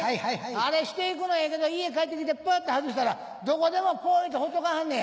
あれしていくのはええけど家帰ってきてパッと外したらどこでもポイってほっとかはんねや。